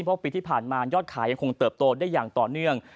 เพราะปีที่ผ่านมายอดขายยังคงเติบโตได้อย่างต่อเนื่อง